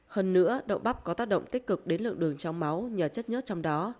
hơn nữa đậu bắp có tác động tích cực đến lượng đường trong máu nhờ chất nhớt trong đó